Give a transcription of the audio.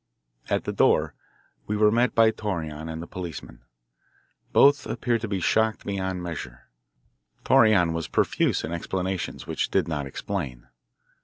At the door we were met by Torreon and the policeman. Both appeared to be shocked beyond measure. Torreon was profuse in explanations which did not explain.